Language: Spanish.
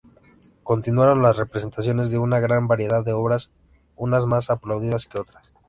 Continuaron las representaciones de una gran variedad de obras, unas más aplaudidas que otras.